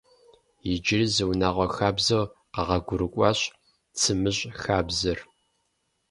Иджыри зы унагъуэ хабзэу къэгъуэгурыкӏуащ «цымыщӏ» хабзэр.